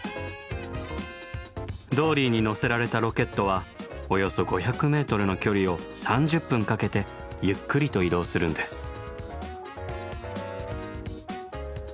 ドーリーに載せられたロケットはおよそ５００メートルの距離を３０分かけてゆっくりと移動するんです。ですよね。